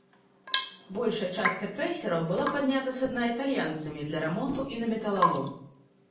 Большая частка крэйсераў была паднята са дна італьянцамі для рамонту і на металалом.